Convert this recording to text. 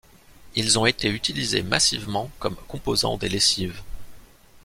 Ils ont été utilisés massivement comme composants des lessives.